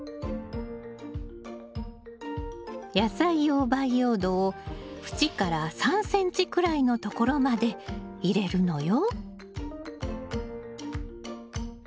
野菜用培養土を縁から３ｃｍくらいのところまで入れるのよ。